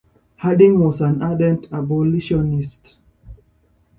Harding was an ardent abolitionist.